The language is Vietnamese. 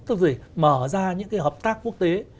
tức là mở ra những hợp tác quốc tế